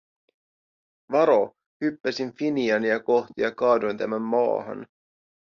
"Varo", hyppäsin Finiania kohti ja kaadoin tämän maahan.